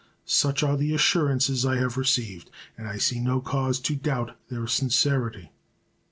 Such are the assurances I have received, and I see no cause to doubt their sincerity.